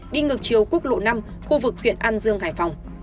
đi ngược chiều quốc lộ năm khu vực huyện an dương hải phòng